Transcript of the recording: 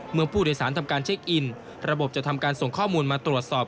เมื่อผู้โดยสารทำการเช็คอินระบบจะทำการส่งข้อมูลมาตรวจสอบ